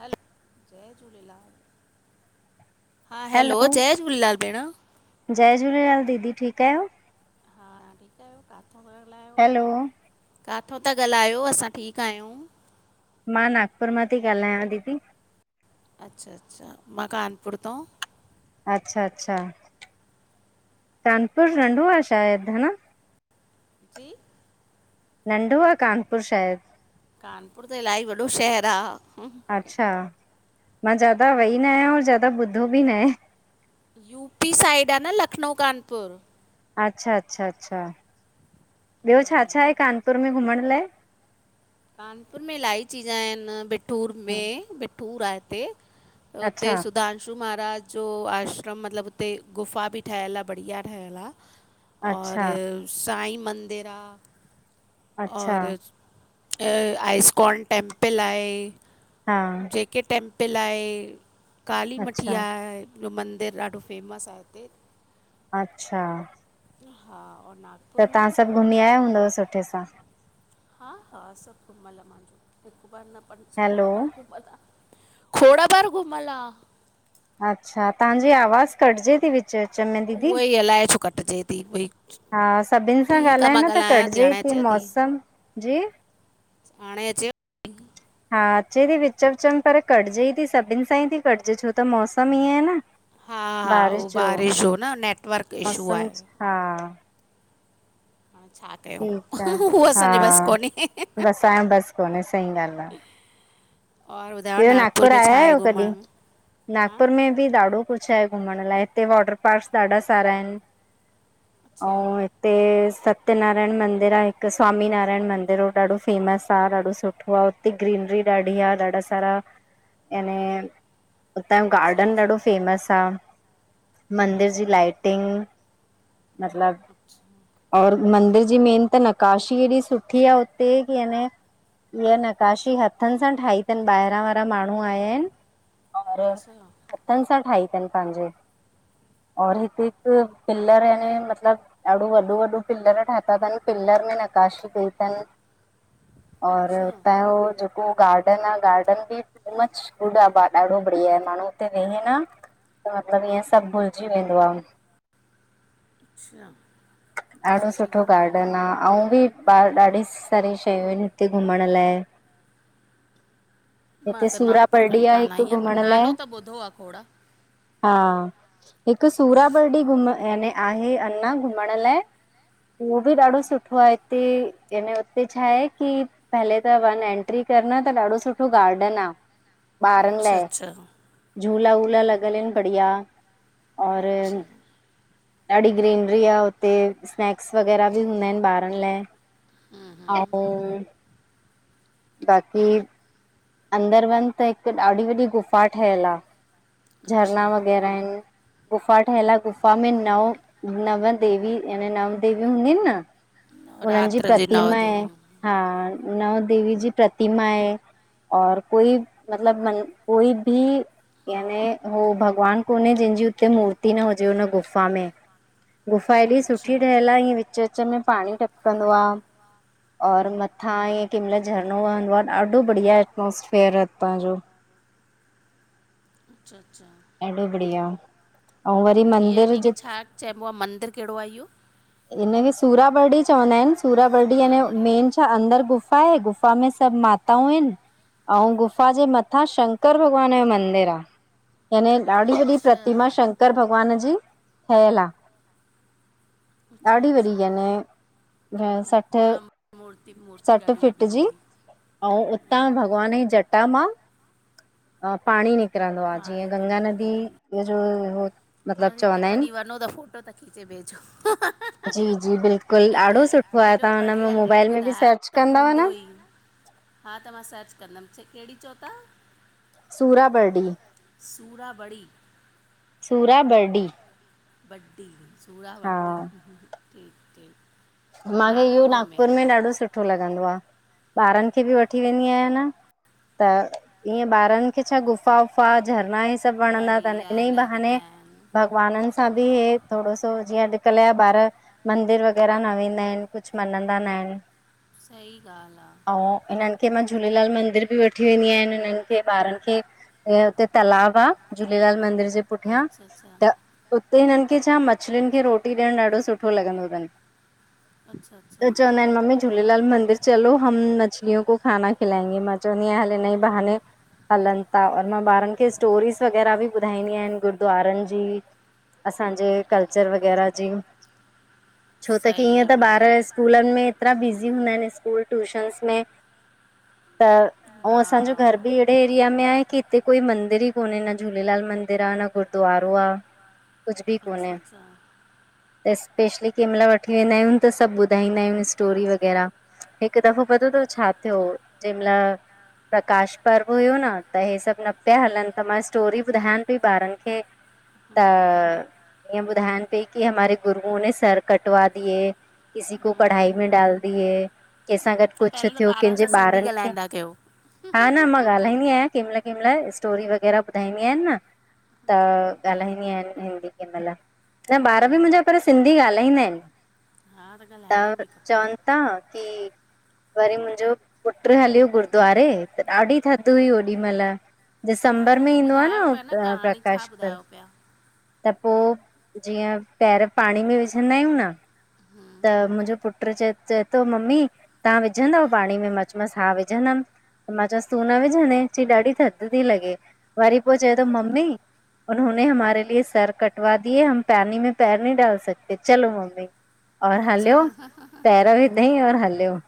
हलो जय झूलेलाल हा हैलो जय झूलेलाल भेण जय झूलेलाल दीदी ठीकु आहियो हा तव्हां ठीकु आहियो किथां ता ॻाल्हायो हैलो किथां था ॻाल्हायो असां ठीकु आहियूं मां नागपुर मां थी ॻाल्हायां दीदी अच्छा अच्छा मां का कानपुर तौ अच्छा अच्छा कानपुर हा नंढो आ शायदि ह न जी नंढो आहे कानपुर शायदि कानपुर त इलाही वॾो शहरु आहे अच्छा मां ज्यादा वेई यू न आहियां और ज्यादा ॿुधो बि न आहे यू पी साइड आहे न लखनऊ कानपुर अच्छा अच्छा अच्छा ॿियो छा छा आहे कानपुर में घुमण लाइ कानपुर में इलाही चीज आहिन बिठूर में बिठूर आहे हिते हुते अच्छा सुधांशु महाराज जो आश्रम मतिलबु उते गुफ़ा बि ठहियलु आहे बढ़िया ठहियलु आहे और अच्छा साईं मंदिर आहे अच्छा और अ, आइस्कॉन टेंपल आहे हा जे के टेंपल आहे काली अच्छा मठिया जो मंदिरु ॾाढो फेमस आहे हिते अच्छा हा ऐं त नागपुर में तव्हां सभु घुमी आययो हूंदव सुठे सां हा हा सभु घुमियल मुंहिंजो हिकु बार न पं खोण हैलो बार घुमियल आहे खोण बार घुमल आहे अच्छा तव्हांजी आवाज़ कटजे थी विच विच में दीदी। उहो ई, अलाए छो कटिजे थी भई। हा सभिनि सां ठीकु आहे ॻाल्हायो मां न त ॻाल्हायां कटिजे हाणे ई थी अचेव मौसमु जी। हाणे अचे। हा अचे थी विच विच में पर कटजे ई थी सभिनि सां ई थी कटजे छो त मौसमु इअं आहे न। हा -हा, उहो बारिश जो न नेटवर्क इशू मौसम आहे। हा। हाणे छा कयूं ठीक आ, उहो असांजे बसि हा, कोन्हे बसि हाणें बस कोन्हे, सही ॻाल्हि आ। और ॿुधायो ॿियो नागपुर में आया छा आहे आहियो घुमण कॾहिं? में हा नागपुर में बि ॾाढो कुछु आहे घुमण लाए, हिते वॉटर पार्क्स ॾाढा सारा आहिनि। अच्छा अऊँ हित् ते सत्यनारायण मंदिर आ, हिकु स्वामी नारायण मंदिर, उहो ॾाढो फेमस आ, ॾाढो सुठो आ उते -ते ग्रीनरी ॾाढी आ ॾाढा सा - रा याने, उतां जो अच्छा गार्डन अच्छा ॾाढो फेमस आ। मंदिर जी लाईटिंग मतलब, और मंदिर जी मेन त नकाशी एॾी सुठी आ उते कि याने हीय, नकाशी हथनि सां ठाही -तनि, ॿाहिरां वारा माण्हूं आया हिनि, और अच्छा हथनि सां ठाही तनि पंहिंजे, और हिकु -हिकु पिलर याने मतिलब ॾाढो वॾो -वॾो पिल्लर ठाता तन, पिल्लर में नकाशी कई तनि। और अच्छा हुतां जो जेको गार्डन आ, गार्डन बि टू मच, गुड आ, ॾाढो बढ़िया आहे, माण्हूं उते वेहे न त मतिलबु ईअं सभु भुलिजी वेंदो आ। अच्छा? त ॾाढो सुठी सुठो ॻाल्हि गार्ड -न आ, अंउं बि ॾा ॾाढी सारी शयूं आहिनि हिते घुमंण लाए। मां हिते त नागपुर सूराबर्डी कॾहिं आ, कान आई हिकु आहियां पर घुमंण लाइ नालो त ॿुधो आहे खोड़ हा, हिकु सूराबर्डी घुमन याने आहे, अना घुम् घुमण लाए, उहो बि ॾाढो सुठो आ हिते, याने उते छा हे की पहले त वंञ एंट्री कर न, त ॾाढो सुठो गार्डन आ ॿारनि अच्छा लाइ, अच्छा झूला वूला लॻल हिनि बढ़िया। और अच्छा ॾाढी ग्रीनरी आ हुते स्नैक्स वग़ैरह बि हूंदा हिनि ॿारनि लाइ। हा- हा ओम् बाक़ी अंदरि वंञुं त हिक ॾाढी वॾी गुफ़ा ठहियल आ। अच्छा झरना वग़ैरह आहिनि। गुफ़ा ठहियल आ, गुफ़ा में नव, नव देवी याने नव देवी हूंदीयूं हिनि न? हुननि जी नवरात्र जे नव प्रतिमा आहे, देवियूं हा नव देवी जी प्रतिमा आहे। और कोई मतिलब मन कोई भी याने हो भॻवानु कोन्हे जंहिंजी, उते मूर्ती न हुजे हुन गुफ़ा में। गुफा एॾी अच्छा सुठी ठहियल आ, ईअं विच- विच में पाणी टपकंदो आ और मथां ईंयं केहिंमल झरनो वहंदो आ, ॾाढो बढ़िया एटमोसफेयर आ, हितां जो। अच्छा- अच्छा ॾाढो बढ़िया। अऊं वरी ईअं मंदिर यनी जे की छा चइबो आ, मंदिर कहिड़ो आ इह्यो? हिनखे सूराबर्डी चवंदा हिनि, सूराबर्डी याने सूराबड़ी मेन छा, अंदर गुफ़ा ए, गुफ़ा में सभु माताऊं हिनि अंउं गुफ़ा जे मथां, शंकर भॻवान जो मंदिर आ। यानें, ॾाढी वॾी अच्छा प्रतिमा, शंकर भॻवान जी ठयल आ। अच्छा ॾाढ़ी वॾी यानें माना, मूर्ती मूर्ती ॾाढ़ी वॾी हूंदी? अऊ हम्म, उतां भॻवान जी जटा मां, अ पाणी निक निकरंदो आ, जीअं पाणी थो गंगा निकिरे थो नदीअ जो मतिलबु वरी, त चवंदा आहिनि कॾी, वञो त फ़ोटो त खिचे भेचो। जी जी, बिल्कुल ॾाढो सुठो आहे, एॾो तहां हुन में बढ़िया लिख मोबाइल में बि ॿुधायो सर्च त कंदव हूंदो न ई हा, त मां सर्च कंदम, केड़ी चौ ता? सूराबर्डी। सूराबड़ी? सूराबर्डी। वट्टी सूड़ा वट्टी टी टी माखे इहो नागपुर में ॾाढो सुठो लॻंदो आ, ॿारन खे बि वठी वेंदी आयां न ईअएं ॿारन खे छा, गुफा वुफा झरना हे सब त वणंदा तन, बढ़िया इनई बहाने लॻंदा आहिनि भॻवानन सां बि हे थोड़ो सो, जीअं अॼकल जा ॿार मंदिर वग़ैरा न वेंदा एन, कुछ मञंदा नाहिन। सही ॻाल्ह आ। अऊं, इनन खे मां झूलेलाल मंदिर बि वठी वेंदी आंयांन, इनन खे, ॿारन खे। ईंएं उते तलाब आ, झूलेलाल मंदिर जे पुठयां, अच्छा अच्छा त उते हिनन खे छा, मछल्युन खे रोटी ॾयणु ॾाढो सुठो लॻंदो तन। अच्छा त अच्छा चवंदा एन, मम्मी झूलेलाल मंदिर चलो, हम मछलियों को खाना खिलाएंगे, मां चवंदीआं हल इनईं बहानें हलन ता, और मां ॿारन खे स्टोरीस वग़ैरा बि ॿुधाईंदी आन, गुरुद्वारन जी, असांजे कल्चर वग़ैरा जी। छो त सही हीअं आहे त ॿार बढ़िया स्कूलन में एतरा बिज़ी हूंदा एन, स्कूल ट्यूशन्स में। त, अऊं हा असांजो घर बि एड़े एरया में आहे, की हिते कोई मंदिर ई कोन्हें, न झूलेलाल मंदिर आहे, न गुरुद्वारो आ, कुझ बि अच्छा कोन्हें, अच्छा त स्पेशली केमल थी ईंदायूं, त सभ ॿुधाईंदायूं स्टोरी वग़ैरा। हिक दफ़ो पतो तव, छा थ्यो हो, जैं महल प्रकाश पर्व हुयो न त हे सभ न प्या हलन, त मां स्टोरी ॿुधायांन पई ॿारन खे, हम्म हम्म त ईंएं, ॿधांयान पई, की हमारे गुरूओं ने सर कटवा दिये किसी को कढ़ाई हम्म, में डाल दिए। केंसां गॾ त कुछ पहिरियों त थ्यो, ॿारनि केंजे सां सिंधी ॿारन खे, ॻाल्हाईंदा कयो हा न, मां ॻाल्हाईंदी आयां, केंमल केंमल, स्टोरी वग़ैरा ॿुधाईंदी आयांन न त ॻाल्हाईंदी आयानं हिंदी केंमल, न ॿार हम्म बि हम्म मुंजा पर सिंधी ॻाल्हाईंदा एन। हा त, ॻाल्हाइणो बि खपे चवन ता की वरी मुंजो पुट्रु हलयो गुरुद्वारे, त ॾाढी थदि हुई ओॾी महिल हा त दिसंबर में उहो ईंदो आ न, ॿुधायो हो पिया कहाणी छा प्रकाश पर्व। ॿुधायो पिया त पो, जीअं पैर पाणी में विझंदायूं न [inaudible] त मुंजो पुट्र चै, चैतो, मम्मी तहां विझंदव पाणी में? मां च्यो मांस हा विझंदम। त, मां चयो मांस, तू न विझंदे, चईं ॾाढी थद ती लॻे वरी पो चै तो मम्मी! उन्होेनें हमारे लिए सर कटवा दिये, हम पानीं में पैर नहीं डाल सकते, चलो मम्मी! और अच्छा हलियो, पेर विधई और हलियो,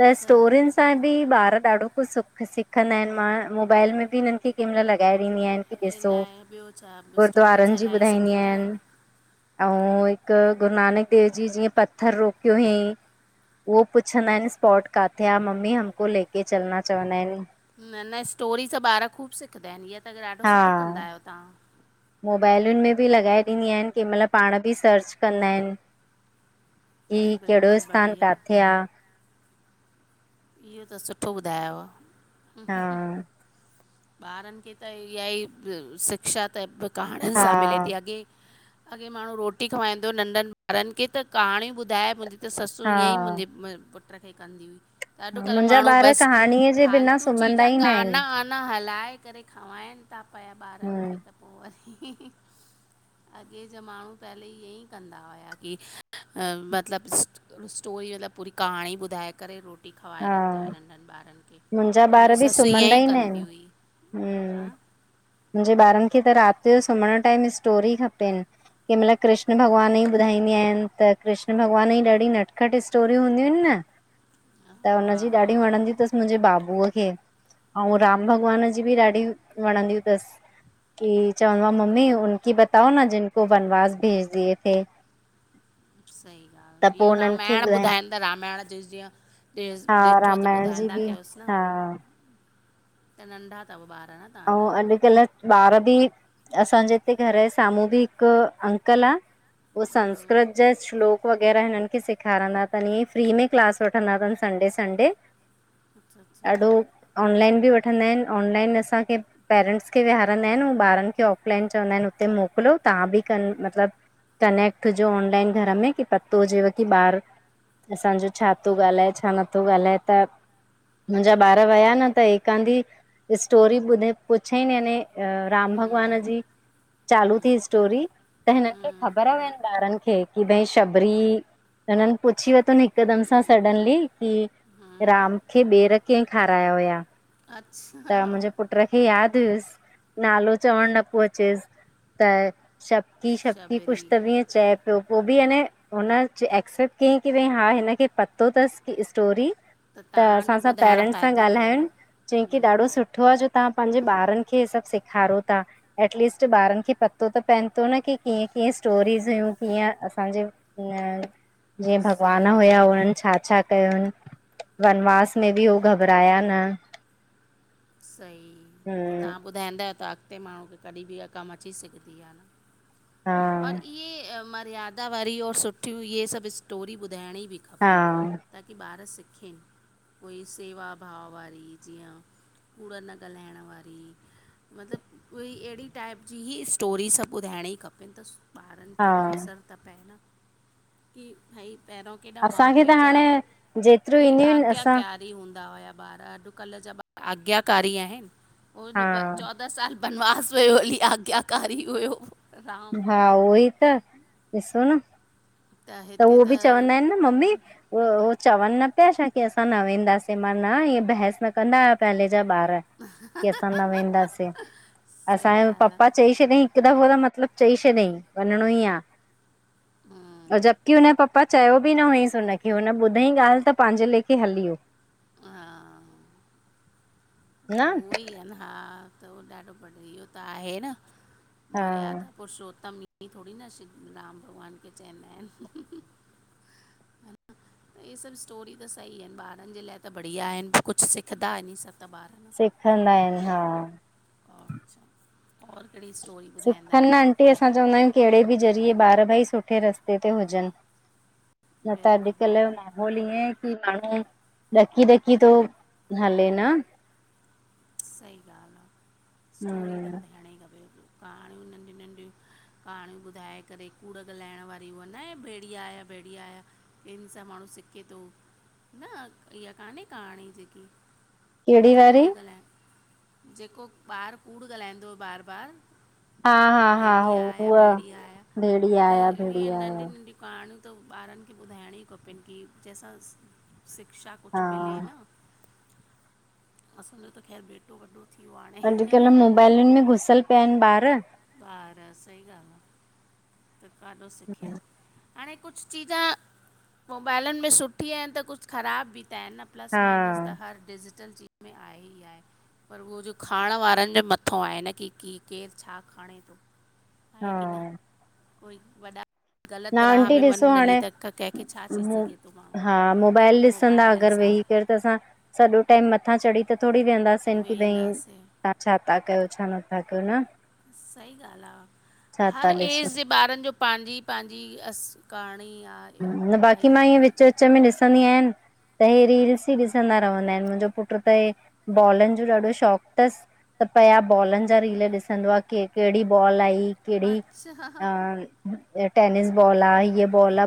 त स्टोरिन सां बि ॿार ॾाढो कुछु सुख सिखंदा हिनि, मां मोबाइल में बि हिननि खे कंहिंमहिल लॻाए ॾींदी आहियांन। कि ॾिसो इलाही ॿियो छा स्टोरियुनि गुरद्वारनि सां जी इलाही ॿुधाईंदी सिखंदा आहियान आहिनि अंउं हिकु गुरुनानक देव जी जीअं पत्थर रोकियो हुअईं उहो पुछंदा हिनि स्पॉट काथे आ, मम्मी हमको लेके चलना चवंदा हिनि। न -न, स्टोरी सां ॿार ख़ूब सिखंदा हिनि, ईअ त ॾाढो सुठो कंदा आहियो तव्हां। मोबाइलियुनि में बि लॻाए ॾींदी आहियान, कंहिंमहिल पांण बि सर्च कंदा हिनि की कहिड़ो बिल्कुलु स्थान बढ़िया काथे आ इह्यो त सुठो ॿुधायुव हा ॿारनि खे त इह्या ई शिक्षा त बि, कहाणियुन हा सां मिले थी अॻे अॻे माण्हूं रोटी खवांईंदो नंढनि ॿारनि खे त कहाणीयूं ॿुधाए मुंजी त ससु हा ईंयंई मुंजे पुट्र खे कंदी हुई, त अॼुकल्ह मुंहिंजा माण्हूं ॿार बसि कहाणीअ जे बिना फालतू सुम्हंदा चीजां ई न आहिनि गाना वाना हलाए करे खंवाइनि ता पया ॿारनि हम्म, खे त पो वरी अॻे जा माण्हूं पहले ईह्येई कंदा हुया की मतिलबु स्टोरी मतिलबु पूरी कहाणी ॿुधाए करे रोटी रोटी खवाए रखंदा हा हुआ नंढनि ॿारनि खे, मुंहिंजा त ॿार मुंहिंजी बि ससु ईअं सुम्हंदा ई न आहिनि कंदी हुई। हा हम्म, मुंहिंजे ॿारनि खे त राति जो सुम्हण टाइम स्टोरी खपेनि कंहिं महिल कृष्ण भॻवान जी ॿुधाईंदी आहियान त कृष्ण भॻवान जी ॾाढी नटखटि स्टोरियूं हूंदियूं हिनि न त हुनजी ॾाढियुं हा वणंदियुं तसि मुंहिंजे बाबूअ खे अंउं राम भॻवान जी बि ॾाढी वणंदियूं तसि। की चवंदो आ मम्मी उनकी बताओ न जिनको वनवास भेज दिए थे - - [inaudible] सही ॻाल्हि, इह्यो रामायण ॿुधाइनि था रामायण ॾिसु जीअं हा ॾिठो त रामायण जी ॿुधाईंदा बि कयोसि न, हा त नंढा तव ॿार न अंउं तव्हांजा अॼु कल्ह ॿार बि, असांजे हिते घर जे साम्हूं बि हिकु अंकल आ उहो हम्म, संस्कृत जा श्लोक वग़ैरह हिननि खे सेखारंदा तनि ईअंई फ्री में क्लास वठंदा तनि संडे -संडे अच्छा अच्छा ॾाढो ऑनलाइन बि वठंदा हिनि ऑनलाइन असां खे पेरेंट्स खे विहारंदा हिनि, अंउं ॿारनि खे ऑफलाइन चवंदा हिनि उते मोकिलियो, तव्हां बि कनि मतलबु कनेक्ट हुजो ऑनलाइन घर में की पतो हुजेव की ॿार असांजो छा तो ॻाल्हाए, छा नथो ॻाल्हाए त मुंजा ॿार वया न त हिक आधी स्टोरी ॿुधे पुछईन याने अ राम भगवान हम्म, जी चालू थी हम्म, स्टोरी त हिननि खे हम्म, ख़बर हुयनि ॿारनि खे की भई शबरी, हुननि पुछी वरतुन हिकदमि सां सडनली की हम्म, राम खे ॿेर केहें खाराया हुया? अच्छा! पुट्र खे यादि हुयुसि, नालो चवणु न पियो अचेसि त शबकी शबकी कुुश् शबरी त बी ईंअं चैप पो बि याने हुन एक्सेप्ट कयईं की भई हा हिनखे पतो तसि की स्टोरी त तव्हांजो असांसां ॿुधाइण पेरेंट्स सां फ़ाइदो थियो न ॻाल्हायुनि, चईं की हम्म, ॾाढो सुठो आ जो तव्हां पांजे ॿारनि खे हे सभु सेखारियो ता। एटलीस्ट ॿारनि खे पतो त पएन तो न, की कीअं -कीअं स्टोरीस हुयूं कीअं असांजे न जीअं भॻवान सही हुया ॻाल्हि हुननि आहे छा -छा त, वनवास में बि हो घबराया न। सही, हम्म तहां ॿुधाईंदायो, त अॻते माण्हूं खे कॾी बि इहा कम अची सिघदी आ। हा और इहे, मर्यादावारी और सुठयूं, इहे सभ स्टोरी ॿुधाइणी बि हा खपे। ताकी ॿार सिखे। कोई सेवा भाव वारी जीअं, कूड़ न ॻाल्हाइण वारी। मतलब कोई एढ़ी टाइप जी ही स्टोरी, सभ ॿुधाइणी खपे। हेत ॿारन हा खे बि असरु त पै न, की भई पहिरों केॾा माउ असांखे त पीउ जा, हाणे जेतिरियूं की ईंदियूं आहिनि आज्ञा क्या असां कारी हूंदा हुया ॿार, अॼकल जा ॿार आज्ञाकारी आहिन, हू न हा चौ त चौदा साल बनवास वयो हली, आज्ञाकारी हुयो, राम! हा उहोई त, ॾिसो न, त उहो बि चवंदा एन न, मम्मी! उहो उहो, चवन न प्या छा, की असां न वेंदासे, मां न, ईंएं बहस न कंदाहा पहले जा ॿार। की असां न वेंदासे, सही असांजो ॻाल्हि आहे पप्पा चई छॾयईं हिक दफ़ो त मतलब चई छॾयईं, वञणो ई आ। हम्म, जबकि हुन जे पप्पा चयो बि न हुयईंस हुनखे, हुन ॿुधईं ॻाल्ह त पैंजे लेखे हली व्यो। हा त न उहोई आ न, हा त उहो ॾाढो बढ़िया, इहो त आहे न। हा मर्यादा पुरषोत्तम ईंयंईं थोड़ी न, श्री राम भॻवान खे चैंदा एन। ही, सभ स्टोरी त सही एन, ॿारन जे लाइ त बढ़िया एन, कुछ सिखदा इनीं सां त ॿार। सिखंदा एन, हा अच्छा, और केढ़ी स्टोरी ॿुधाईंदायोन? उते असां चवंदा आयूंन, केड़े बि ज़रिए ॿार भई सुठे रस्ते ते हुजन। न त बिल्कुलु अॼकल्ह जो बिल्कुलु माहोल होल इएं आहे, की माण्हूं ॾकी ॾकी तो हले, न? सही ॻाल्ह आ, स्टोरी त हम्म ॿुधाइण ई खपे, कहाण्यूं नंढ़यूं नंढ़यूं कहाण्यूं ॿुधाए करे, कूड़ ॻाल्हाइण वारी, उअ न आहे भेड़िया आया भेड़िया आया इन सां माण्हूं सिखेे थो, न इहा कान्हें कहाणी जेकी कहिड़ी कूड़ वारी? ॻाल्हाण, जेको ॿार कूड़ ॻाल्हाईंदो बार बार हा हा हा, भेड़िया हो आया हूअ भेड़िया आया भेड़िया आया भेड़िया आया। कहाण्यूं त ॿारन खे ॿुधाइण्यूं ई खपन की जैंसां शिक्षा हा कुछ मिले न? असांजो त ख़ैर बेट बेटो वॾो वॾो थी व्यो आ हाणे। अॼकल्ह मोबाइलन में घुसल प्या एन, ॿार। ॿार सही ॻाल्ह आ त काॾों सिखेन। हाणे कुछ चीजां मोबाइलन में सुठी एन, त कुछ ख़राब बि त एन, न। प्लस हा माइनस त, हर डिजिटल चीज़ में आहे ई आहे। पर उहो जो खाइण वारन जे मथौं आहे न, की की केर छा खणे थो। हा आहे की न, कोई वॾा न ग़लत राह आंटी में ॾिसो वञन हली हाणे त, कंहिंखे छा चई सघे तो हा मोबाइल माण्हूं। ॾिसंदा अगर वेही करे, त असां सॼो टाइम मथां चढ़ी त करे थोड़ी विहंदासेन, की भई वेंदासीं तां छा था क्यो, छा नथा क्यो, न? सही ॻाल्ह आ, छा हर था ॾिसो एज़ जे ॿारन जो पांजी पांजी अस करणी आ। न बाक़ी मां इअं विच विच में ॾिसंदी आहियान। त हेी रील्स ई ॾिसंदा रहंदा आहिनि मुंहिंजो पुट त इ बॉलनि जो ॾाढो शौक़ु तस। त पया बॉलनि जा रील ॾिसंदो आ के कहिड़ी बॉल आई। कहिड़ी अच्छा अ टेनििस बॉल आ ही बॉल आ।